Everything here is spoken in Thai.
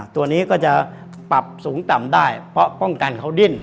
ตัวนี้ก็จะปรับสูงต่ำได้เพราะป้องกันเขาดิ้น